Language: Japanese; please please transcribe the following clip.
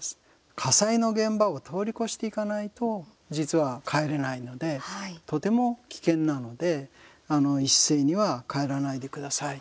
火災の現場を通り越していかないと実は帰れないのでとても危険なので一斉には帰らないでくださいと。